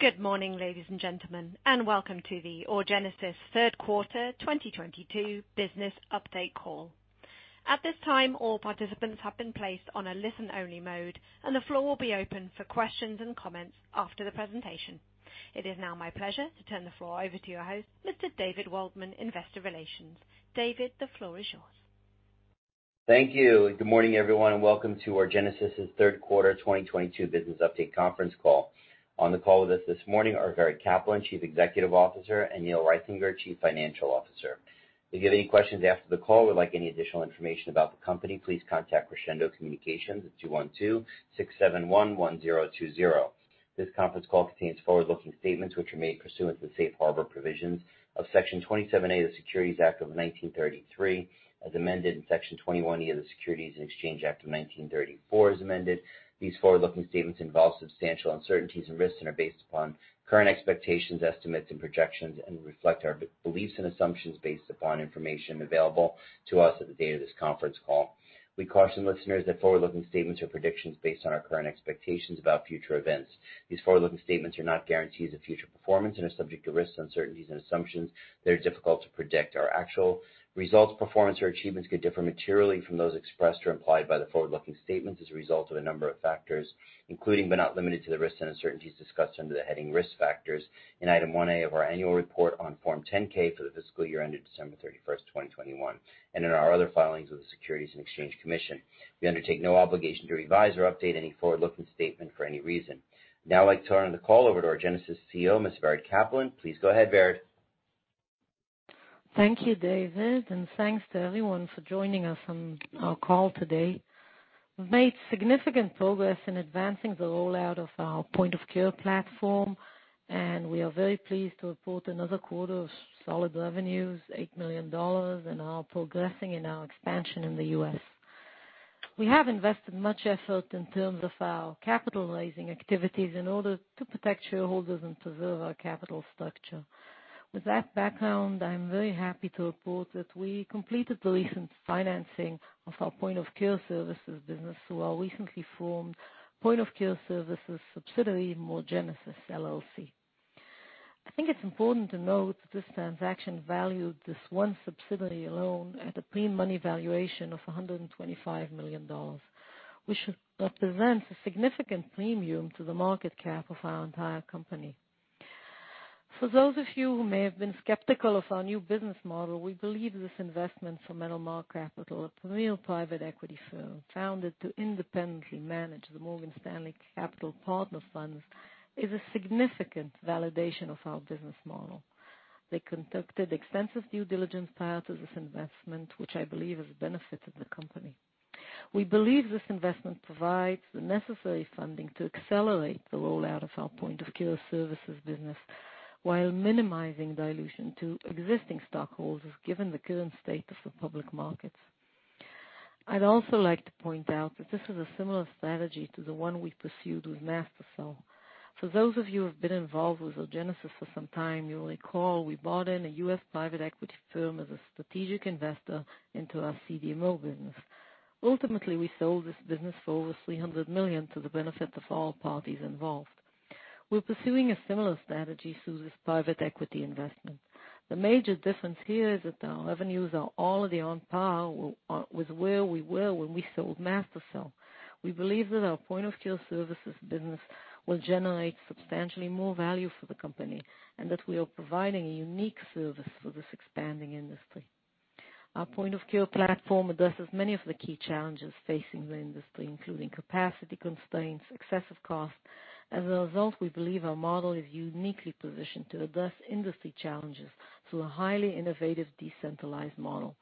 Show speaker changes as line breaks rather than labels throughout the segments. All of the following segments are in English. Good morning, ladies and gentlemen, and welcome to the Orgenesis third quarter 2022 business update call. At this time, all participants have been placed on a listen-only mode, and the floor will be open for questions and comments after the presentation. It is now my pleasure to turn the floor over to your host, Mr. David Waldman, Investor Relations. David, the floor is yours.
Thank you. Good morning, everyone, and welcome to Orgenesis's third quarter 2022 business update conference call. On the call with us this morning are Vered Caplan, Chief Executive Officer, and Neil Reithinger, Chief Financial Officer. If you have any questions after the call or would like any additional information about the company, please contact Crescendo Communications at 212-671-1020. This conference call contains forward-looking statements, which are made pursuant to the safe harbor provisions of Section 27A of the Securities Act of 1933, as amended in Section 21E of the Securities Exchange Act of 1934 as amended. These forward-looking statements involve substantial uncertainties and risks and are based upon current expectations, estimates, and projections and reflect our beliefs and assumptions based upon information available to us at the date of this conference call. We caution listeners that forward-looking statements are predictions based on our current expectations about future events. These forward-looking statements are not guarantees of future performance and are subject to risks, uncertainties, and assumptions that are difficult to predict. Our actual results, performance, or achievements could differ materially from those expressed or implied by the forward-looking statements as a result of a number of factors, including but not limited to the risks and uncertainties discussed under the heading Risk Factors in Item 1A of our annual report on Form 10-K for the fiscal year ended December 31, 2021, and in our other filings with the Securities and Exchange Commission. We undertake no obligation to revise or update any forward-looking statement for any reason. Now I'd like to turn the call over to Orgenesis CEO, Ms. Vered Caplan. Please go ahead, Vered.
Thank you, David, and thanks to everyone for joining us on our call today. We've made significant progress in advancing the rollout of our point-of-care platform, and we are very pleased to report another quarter of solid revenues, $8 million, and are progressing in our expansion in the US. We have invested much effort in terms of our capital raising activities in order to protect shareholders and preserve our capital structure. With that background, I'm very happy to report that we completed the recent financing of our point-of-care services business through our recently formed point-of-care services subsidiary, Morgenesis LLC. I think it's important to note that this transaction valued this one subsidiary alone at a pre-money valuation of $125 million, which represents a significant premium to the market cap of our entire company. For those of you who may have been skeptical of our new business model, we believe this investment from Metalmark Capital, a premier private equity firm founded to independently manage the Morgan Stanley Capital Partners funds, is a significant validation of our business model. They conducted extensive due diligence prior to this investment, which I believe has benefited the company. We believe this investment provides the necessary funding to accelerate the rollout of our point-of-care services business while minimizing dilution to existing stockholders, given the current state of the public markets. I'd also like to point out that this is a similar strategy to the one we pursued with MaSTherCell. For those of you who've been involved with Orgenesis for some time, you'll recall we bought in a US private equity firm as a strategic investor into our CDMO business. Ultimately, we sold this business for over $300 million to the benefit of all parties involved. We're pursuing a similar strategy through this private equity investment. The major difference here is that our revenues are already on par with where we were when we sold MaSTherCell. We believe that our point-of-care services business will generate substantially more value for the company and that we are providing a unique service for this expanding industry. Our point-of-care platform addresses many of the key challenges facing the industry, including capacity constraints, excessive costs. As a result, we believe our model is uniquely positioned to address industry challenges through a highly innovative, decentralized model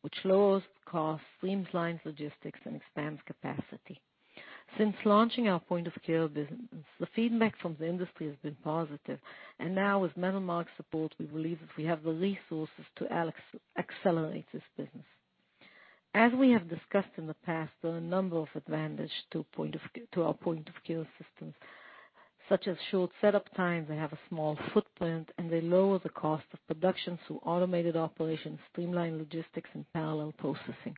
which lowers costs, streamlines logistics, and expands capacity. Since launching our point-of-care business, the feedback from the industry has been positive, and now with Metalmark's support, we believe that we have the resources to accelerate this business. As we have discussed in the past, there are a number of advantages to our point-of-care systems, such as short setup times. They have a small footprint, and they lower the cost of production through automated operations, streamlined logistics, and parallel processing.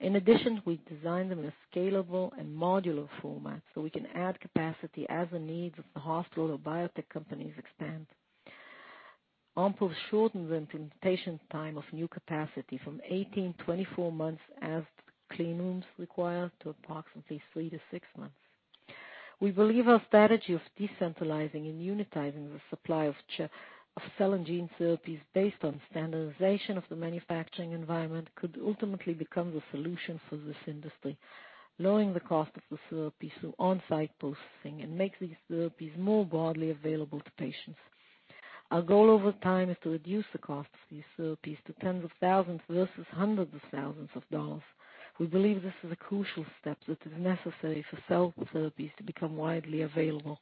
In addition, we designed them in a scalable and modular format, so we can add capacity as the needs of the hospital or biotech companies expand. OMPULs shorten the implementation time of new capacity from 18-24 months as clean rooms require to approximately three to six months. We believe our strategy of decentralizing and unitizing the supply of cell and gene therapies based on standardization of the manufacturing environment could ultimately become the solution for this industry, lowering the cost of the therapy through on-site processing and make these therapies more broadly available to patients. Our goal over time is to reduce the cost of these therapies to tens of thousands versus hundreds of thousands of dollars. We believe this is a crucial step that is necessary for cell therapies to become widely available.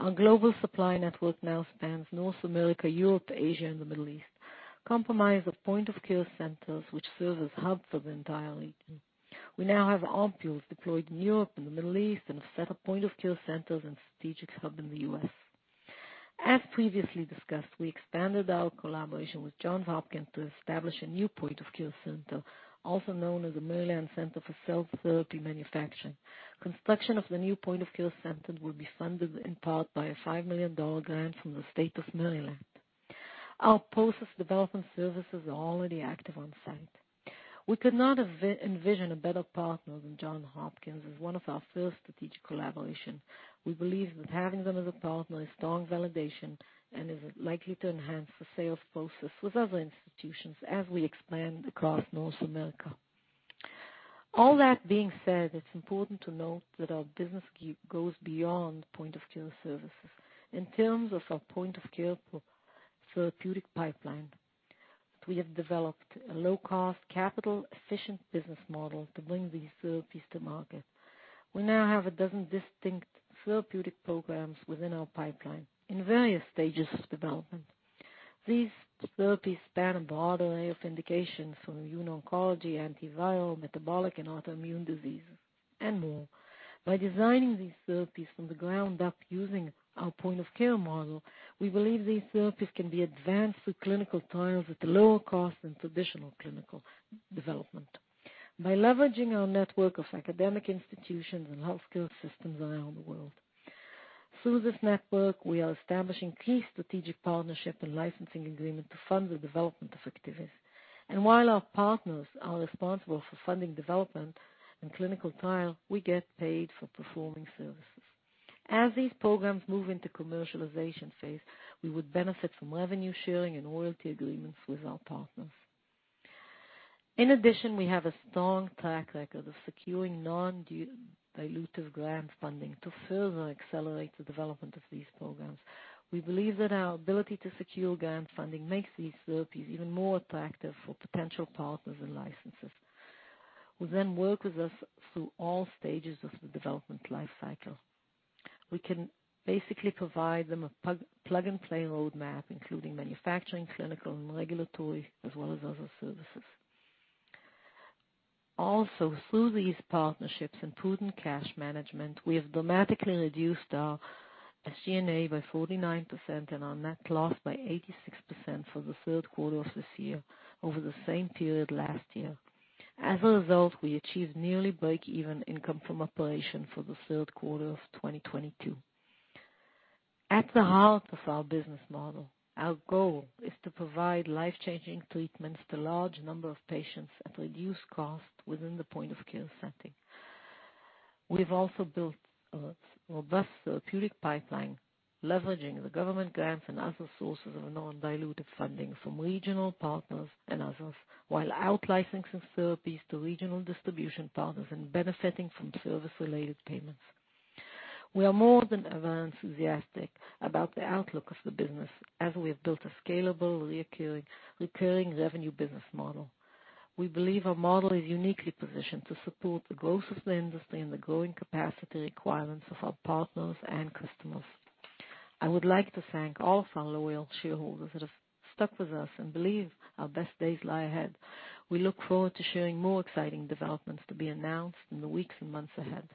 Our global supply network now spans North America, Europe, Asia, and the Middle East, comprised of point-of-care centers which serve as hubs for the entire region. We now have OMPULs deployed in Europe and the Middle East and a set of point-of-care centers and strategic hub in the U.S. As previously discussed, we expanded our collaboration with Johns Hopkins to establish a new point-of-care center, also known as the Maryland Center for Cell Therapy Manufacturing. Construction of the new point-of-care center will be funded in part by a $5 million grant from the State of Maryland. Our process development services are already active on site. We could not envision a better partner than Johns Hopkins as one of our first strategic collaboration. We believe that having them as a partner is strong validation and is likely to enhance the sales process with other institutions as we expand across North America. All that being said, it's important to note that our business key goes beyond point-of-care services. In terms of our point-of-care therapeutic pipeline, we have developed a low-cost, capital-efficient business model to bring these therapies to market. We now have 12 distinct therapeutic programs within our pipeline in various stages of development. These therapies span a broad array of indications from immuno-oncology, antiviral, metabolic, and autoimmune diseases, and more. By designing these therapies from the ground up using our point-of-care model, we believe these therapies can be advanced through clinical trials at a lower cost than traditional clinical development. By leveraging our network of academic institutions and health care systems around the world. Through this network, we are establishing key strategic partnerships and licensing agreements to fund the development of our assets. While our partners are responsible for funding development and clinical trials, we get paid for performing services. As these programs move into commercialization phase, we would benefit from revenue sharing and royalty agreements with our partners. In addition, we have a strong track record of securing non-dilutive grant funding to further accelerate the development of these programs. We believe that our ability to secure grant funding makes these therapies even more attractive for potential partners and licensors, who then work with us through all stages of the development life cycle. We can basically provide them a plug-and-play roadmap, including manufacturing, clinical, and regulatory, as well as other services. Also, through these partnerships and improved cash management, we have dramatically reduced our SG&A by 49% and our net loss by 86% for the third quarter of this year over the same period last year. As a result, we achieved nearly breakeven income from operations for the third quarter of 2022. At the heart of our business model, our goal is to provide life-changing treatments to a large number of patients at reduced cost within the point-of-care setting. We've also built a robust therapeutic pipeline, leveraging the government grants and other sources of non-dilutive funding from regional partners and others, while out licensing therapies to regional distribution partners and benefiting from service-related payments. We are more than ever enthusiastic about the outlook of the business as we have built a scalable, recurring revenue business model. We believe our model is uniquely positioned to support the growth of the industry and the growing capacity requirements of our partners and customers. I would like to thank all of our loyal shareholders that have stuck with us and believe our best days lie ahead. We look forward to sharing more exciting developments to be announced in the weeks and months ahead.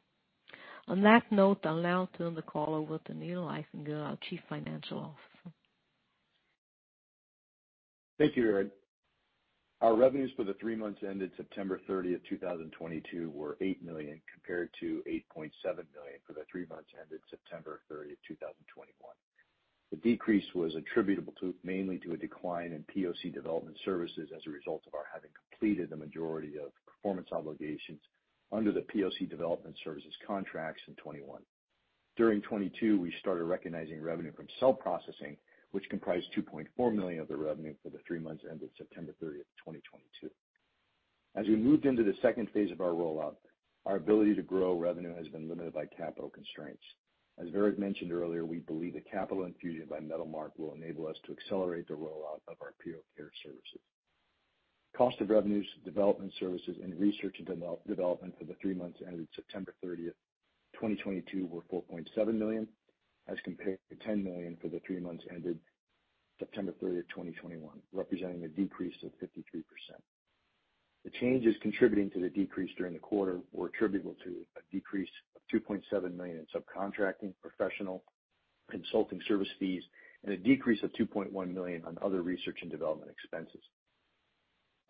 On that note, I'll now turn the call over to Neil Reithinger, our Chief Financial Officer.
Thank you, Vered. Our revenues for the three months ended September 30, 2022 were $8 million, compared to $8.7 million for the three months ended September 30, 2021. The decrease was attributable to, mainly to a decline in POC development services as a result of our having completed the majority of performance obligations under the POC development services contracts in 2021. During 2022, we started recognizing revenue from cell processing, which comprised $2.4 million of the revenue for the three months ended September 30, 2022. As we moved into the second phase of our rollout, our ability to grow revenue has been limited by capital constraints. As Vered mentioned earlier, we believe the capital infusion by Metalmark will enable us to accelerate the rollout of our POCare services. Cost of revenues, development services, and research and development for the three months ended September 30, 2022 were $4.7 million, as compared to $10 million for the three months ended September 30, 2021, representing a decrease of 53%. The changes contributing to the decrease during the quarter were attributable to a decrease of $2.7 million in subcontracting, professional consulting service fees, and a decrease of $2.1 million on other research and development expenses.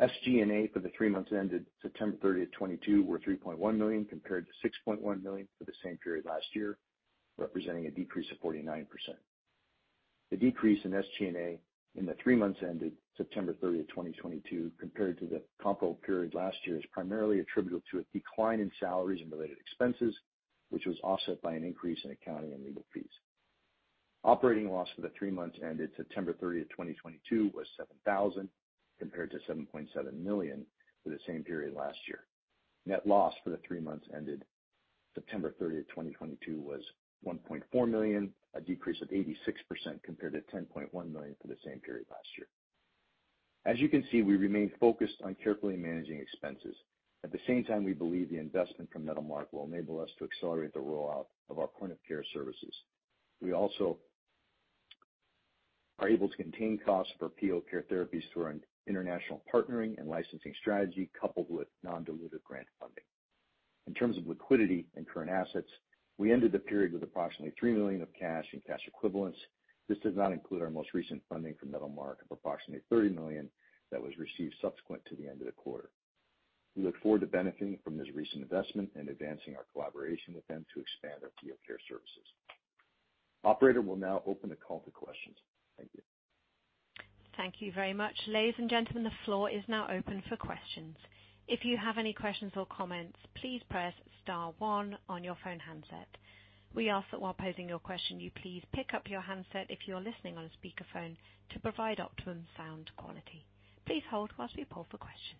SG&A for the three months ended September 30, 2022 were $3.1 million, compared to $6.1 million for the same period last year, representing a decrease of 49%. The decrease in SG&A in the three months ended September 30, 2022, compared to the comparable period last year, is primarily attributable to a decline in salaries and related expenses, which was offset by an increase in accounting and legal fees. Operating loss for the three months ended September 30, 2022 was $7,000, compared to $7.7 million for the same period last year. Net loss for the three months ended September 30, 2022 was $1.4 million, a decrease of 86% compared to $10.1 million for the same period last year. As you can see, we remain focused on carefully managing expenses. At the same time, we believe the investment from Metalmark will enable us to accelerate the rollout of our point-of-care services. We also are able to contain costs for POCare therapies through our international partnering and licensing strategy, coupled with non-dilutive grant funding. In terms of liquidity and current assets, we ended the period with approximately $3 million of cash and cash equivalents. This does not include our most recent funding from Metalmark of approximately $30 million that was received subsequent to the end of the quarter. We look forward to benefiting from this recent investment and advancing our collaboration with them to expand our point-of-care services. Operator, we'll now open the call to questions. Thank you.
Thank you very much. Ladies and gentlemen, the floor is now open for questions. If you have any questions or comments, please press star one on your phone handset. We ask that while posing your question, you please pick up your handset if you are listening on a speakerphone to provide optimum sound quality. Please hold while we poll for questions.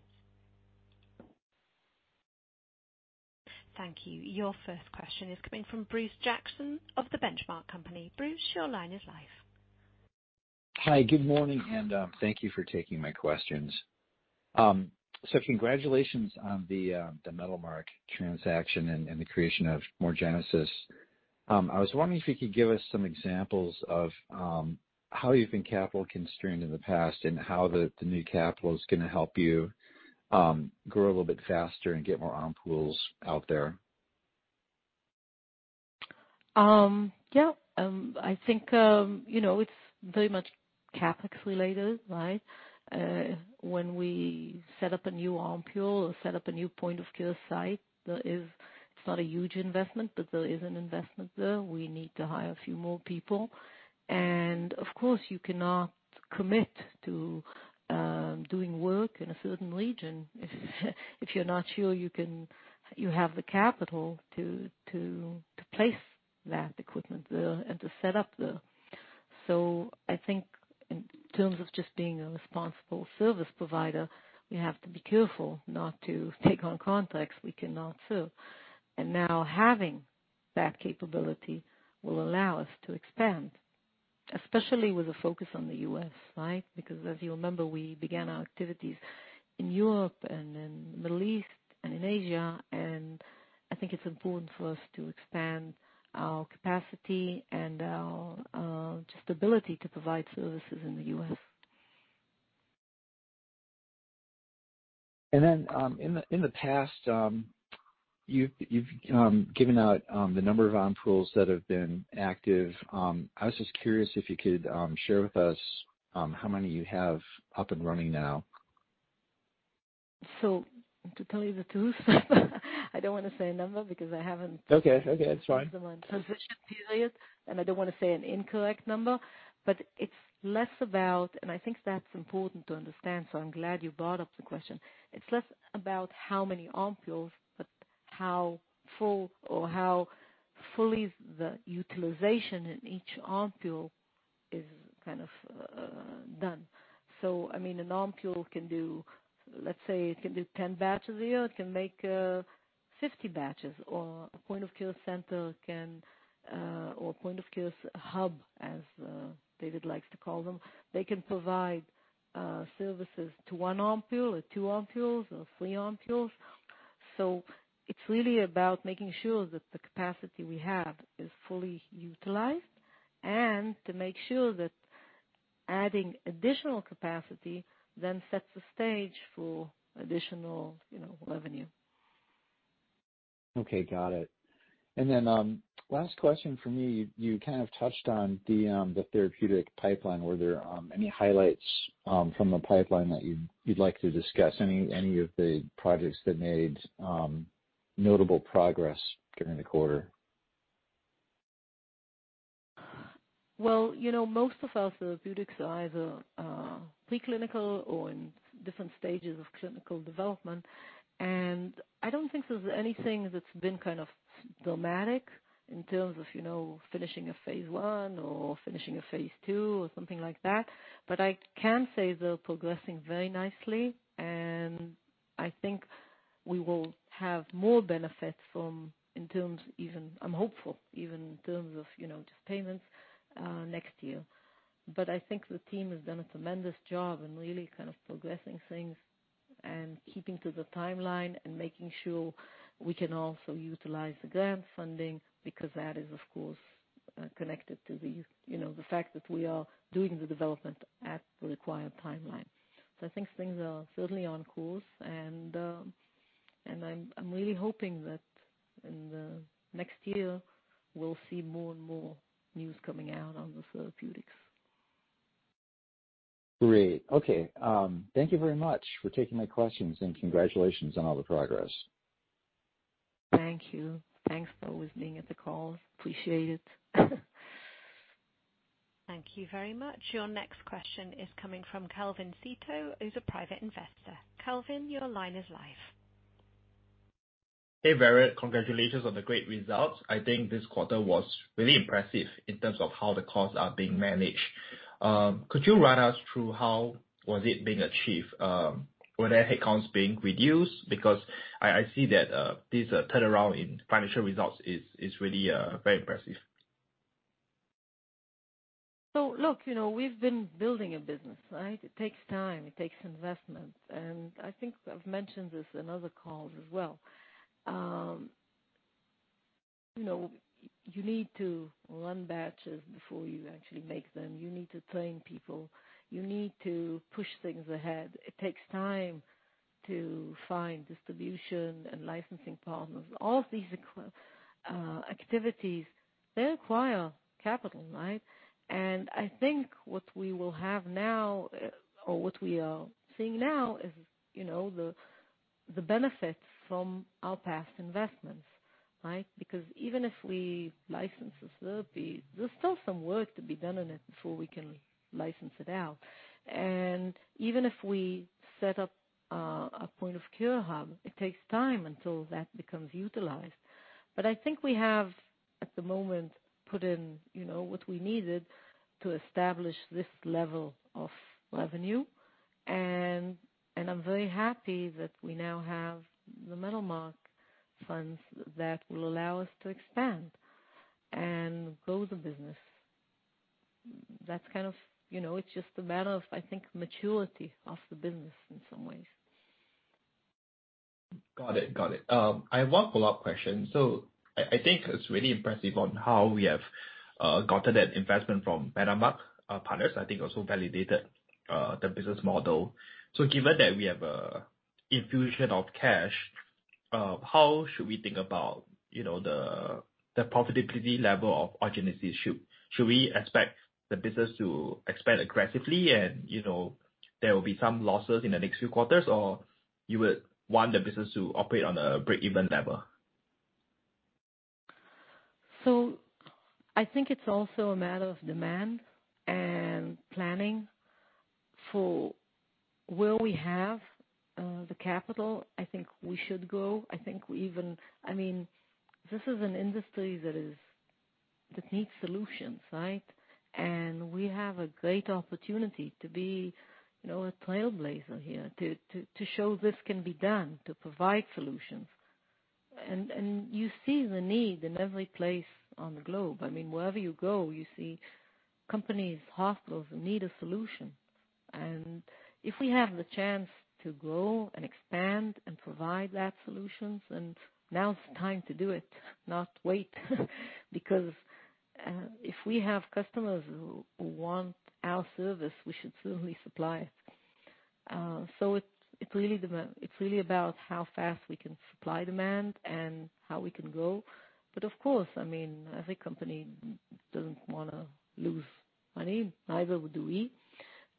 Thank you. Your first question is coming from Bruce Jackson of The Benchmark Company. Bruce, your line is live.
Hi, Good morning, and thank you for taking my questions. Congratulations on the Metalmark transaction and the creation of Morgenesis. I was wondering if you could give us some examples of how you've been capital constrained in the past, and how the new capital is gonna help you grow a little bit faster and get more OMPULs out there.
Yeah. I think, you know, it's very much CapEx related, right? When we set up a new OMPUL or set up a new point-of-care site, there is. It's not a huge investment, but there is an investment there. We need to hire a few more people. Of course, you cannot commit to doing work in a certain region if you're not sure you have the capital to place that equipment there and to set up there. I think in terms of just being a responsible service provider, we have to be careful not to take on contracts we cannot serve. Now having that capability will allow us to expand, especially with the focus on the U.S., right? Because as you remember, we began our activities in Europe and in Middle East and in Asia, and I think it's important for us to expand our capacity and our just ability to provide services in the U.S.
In the past, you've given out the number of OMPULs that have been active. I was just curious if you could share with us how many you have up and running now.
To tell you the truth, I don't wanna say a number because I haven't.
Okay. Okay. That's fine.
been through my transition period, and I don't wanna say an incorrect number. It's less about and I think that's important to understand, so I'm glad you brought up the question. It's less about how many OMPULs, but how full or how fully the utilization in each OMPUL is kind of done. I mean, an OMPUL can do, let's say, it can do 10 batches a year. It can make 50 batches. A point-of-care center can, or point-of-care hub, as David likes to call them, they can provide services to one OMPUL or two OMPULs or three OMPULs. It's really about making sure that the capacity we have is fully utilized and to make sure that adding additional capacity then sets the stage for additional, you know, revenue.
Okay, got it. Last question from me. You kind of touched on the therapeutic pipeline. Were there any highlights from the pipeline that you'd like to discuss? Any of the projects that made notable progress during the quarter?
Well, you know, most of our therapeutics are either preclinical or in different stages of clinical development. I don't think there's anything that's been kind of dramatic in terms of, you know, finishing a phase I or finishing a phase II or something like that. I can say they're progressing very nicely, and I think we will have more benefit. I'm hopeful, even in terms of, you know, just payments next year. I think the team has done a tremendous job in really kind of progressing things and keeping to the timeline and making sure we can also utilize the grant funding because that is of course connected to the, you know, the fact that we are doing the development at the required timeline. I think things are certainly on course, and I'm really hoping that in the next year we'll see more and more news coming out on the therapeutics.
Great. Okay. Thank you very much for taking my questions, and congratulations on all the progress.
Thank you. Thanks for listening at the call. Appreciate it.
Thank you very much. Your next question is coming from Calvin Szeto, who's a private investor. Calvin, your line is live.
Hey, Vered. Congratulations on the great results. I think this quarter was really impressive in terms of how the costs are being managed. Could you run us through how it was being achieved? Were there headcounts being reduced? Because I see that this turnaround in financial results is really very impressive.
Look, you know, we've been building a business, right? It takes time. It takes investment. I think I've mentioned this in other calls as well. You know, you need to run batches before you actually make them. You need to train people. You need to push things ahead. It takes time to find distribution and licensing partners. All of these activities, they require capital, right? I think what we will have now, or what we are seeing now is, you know, the benefit from our past investments, right? Because even if we license a therapy, there's still some work to be done on it before we can license it out. Even if we set up a point-of-care hub, it takes time until that becomes utilized. I think we have, at the moment, put in, you know, what we needed to establish this level of revenue. I'm very happy that we now have the Metalmark funds that will allow us to expand and grow the business. That's kind of, you know, it's just a matter of, I think, maturity of the business in some ways.
Got it. I have one follow-up question. I think it's really impressive how we have gotten that investment from Metalmark Capital Partners. I think it also validated the business model. Given that we have an infusion of cash, how should we think about the profitability level of Orgenesis Inc.? Should we expect the business to expand aggressively and there will be some losses in the next few quarters, or you would want the business to operate on a break-even level?
I think it's also a matter of demand and planning for where we have the capital. I think we should go. I mean, this is an industry that needs solutions, right? We have a great opportunity to be, you know, a trailblazer here, to show this can be done, to provide solutions. You see the need in every place on the globe. I mean, wherever you go, you see companies, hospitals need a solution. If we have the chance to grow and expand and provide that solutions, now it's time to do it, not wait. If we have customers who want our service, we should certainly supply it. It's really about how fast we can supply demand and how we can grow. Of course, I mean, every company doesn't wanna lose money, neither do we.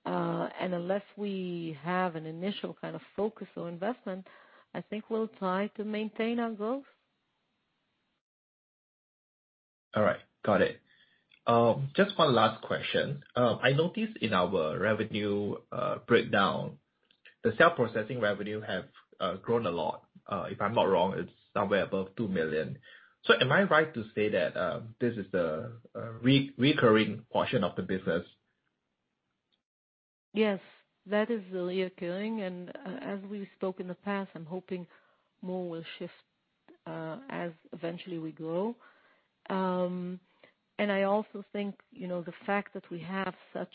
Unless we have an initial kind of focus on investment, I think we'll try to maintain our growth.
All right. Got it. Just one last question. I noticed in our revenue breakdown, the cell processing revenue have grown a lot. If I'm not wrong, it's somewhere above $2 million. Am I right to say that this is the recurring portion of the business?
Yes. That is the recurring. As we spoke in the past, I'm hoping more will shift as eventually we grow. I also think, you know, the fact that we have such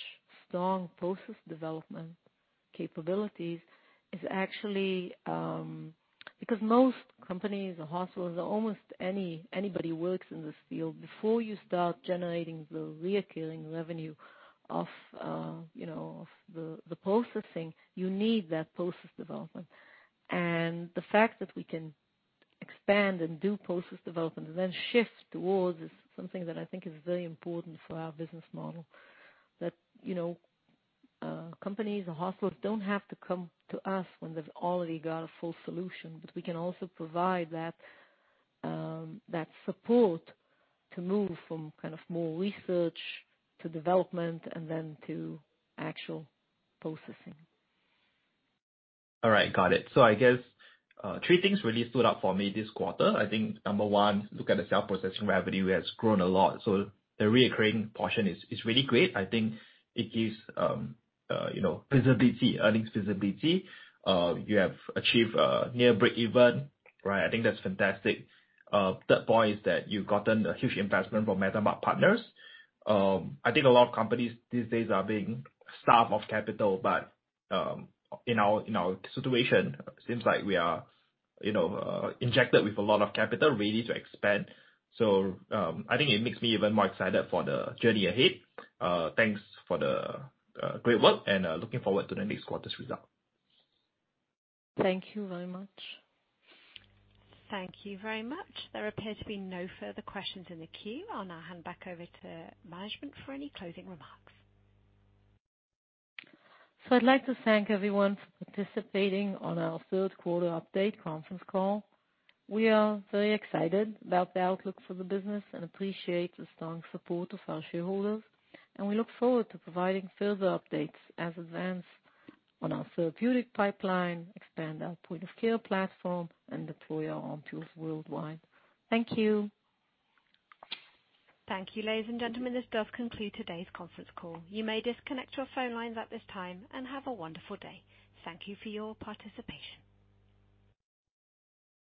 strong process development capabilities is actually because most companies or hospitals or almost anybody who works in this field, before you start generating the recurring revenue of, you know, of the processing, you need that process development. The fact that we can expand and do process development and then shift towards is something that I think is very important for our business model. That, you know, companies or hospitals don't have to come to us when they've already got a full solution, but we can also provide that support to move from kind of more research to development and then to actual processing.
All right. Got it. I guess three things really stood out for me this quarter. I think number one, look at the cell processing revenue has grown a lot, so the recurring portion is really great. I think it gives you know, visibility, earnings visibility. You have achieved near break-even, right? I think that's fantastic. Third point is that you've gotten a huge investment from Metalmark Capital Partners. I think a lot of companies these days are being starved of capital, but in our situation, seems like we are you know, injected with a lot of capital, ready to expand. I think it makes me even more excited for the journey ahead. Thanks for the great work, and looking forward to the next quarter's result.
Thank you very much.
Thank you very much. There appear to be no further questions in the queue. I'll now hand back over to management for any closing remarks.
I'd like to thank everyone for participating on our third quarter update conference call. We are very excited about the outlook for the business and appreciate the strong support of our shareholders, and we look forward to providing further updates as events on our therapeutic pipeline, expand our point-of-care platform, and deploy our tools worldwide. Thank you.
Thank you, ladies and gentlemen. This does conclude today's conference call. You may disconnect your phone lines at this time, and have a wonderful day. Thank you for your participation.